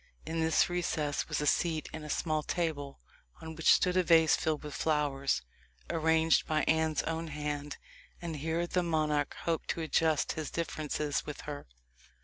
In this recess was a seat and a small table, on which stood a vase filled with flowers, arranged by Anne's own hand; and here the monarch hoped to adjust his differences with her.